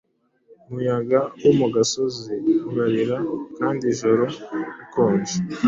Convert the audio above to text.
Umuyaga wo mu gasozi urarira Kandi ijoro rikonje;